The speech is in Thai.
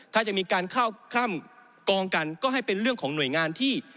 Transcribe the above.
ถ้าจะมีการเข้าข้ามกองกันก็ให้เป็นเรื่องของหน่วยงานที่